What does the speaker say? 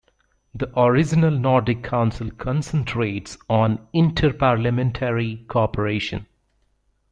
The original Nordic Council concentrates on inter-parliamentary cooperation.